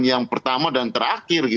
yang pertama dan terakhir